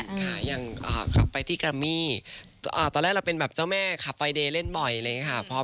ว่ายังเอ่อกลับไปที่กรมมี่ตอนแรกเราเป็นแบบเจ้าแม่ขับไฟไดแลนท์บ่อยเลยคะพอบรร